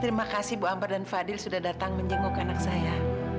terima kasih bu amper dan fadil sudah datang menjenguk anak saya